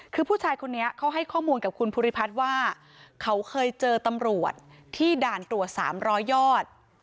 คือผู้ชายคนนี้เขาให้ข้อมูลกับคุณภูริพัฒน์ว่าเขาเคยเจอตำรวจที่ด่านตรวจ๓๐๐ยอด